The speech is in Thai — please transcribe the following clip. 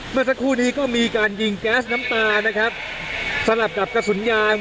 เมื่อสักครู่นี้ก็มีการยิงแก๊สน้ำตานะครับสลับกับกระสุนยาง